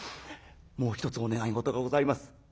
もう一つお願い事がございます。